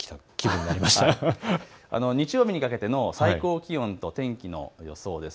日曜日にかけての最高気温と天気の予想です。